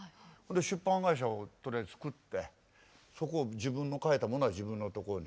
出版会社をとりあえず作って自分の書いたものは自分のところに。